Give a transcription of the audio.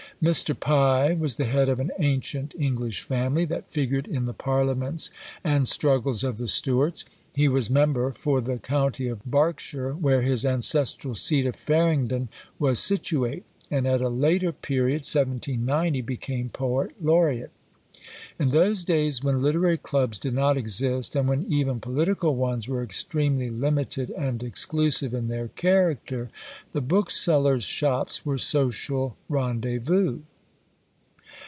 Mr. Pye was the head of an ancient English family that figured in the Parliaments and struggles of the Stuarts; he was member for the County of Berkshire, where his ancestral seat of Faringdon was situate, and at a later period (1790) became Poet Laureat. In those days, when literary clubs did not exist, and when even political ones were extremely limited and exclusive in their character, the booksellers' shops were social rendezvous.